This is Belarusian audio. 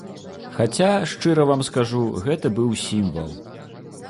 Хаця, шчыра вам скажу, гэта быў сімвал.